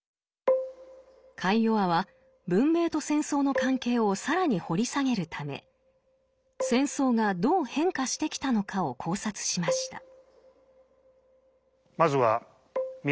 カイヨワは文明と戦争の関係を更に掘り下げるため戦争がどう変化してきたのかを考察しました。